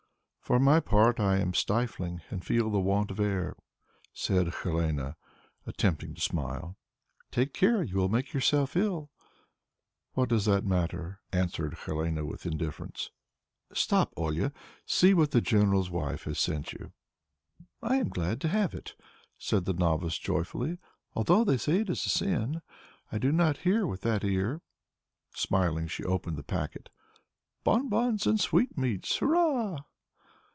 "For my part I am stifling and feel the want of air," said Helene, attempting to smile. "Take care; you will make yourself ill." "What does that matter," answered Helene with indifference. "Stop, Olia, see what the general's wife has sent you." "I am glad to have it," said the novice joyfully, "although they say it is a sin; I do not hear with that ear." Smiling she opened the packet. "Bonbons and sweetmeats hurrah!"